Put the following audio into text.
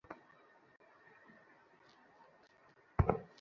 কিছু line rubber ঘষে তুলেও ফেলা হয়েছে।